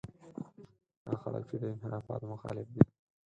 هغه خلک چې د انحرافاتو مخالف دي.